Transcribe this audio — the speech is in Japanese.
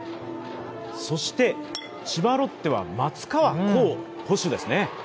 そして千葉ロッテは松川虎生、捕手ですね。